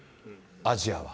アジアは。